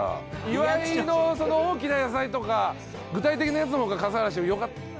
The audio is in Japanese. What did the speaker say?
岩井の大きな野菜とか具体的なやつの方が笠原シェフよかったですね。